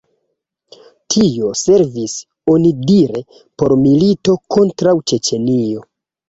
Tio servis onidire por milito kontraŭ Ĉeĉenio.